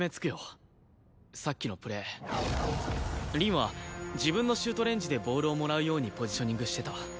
さっきのプレー凛は自分のシュートレンジでボールをもらうようにポジショニングしてた。